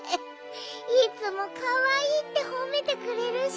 いつもかわいいってほめてくれるし。